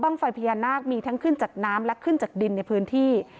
ไฟพญานาคมีทั้งขึ้นจากน้ำและขึ้นจากดินในพื้นที่